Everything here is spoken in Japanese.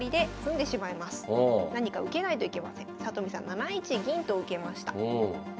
７一銀と受けました。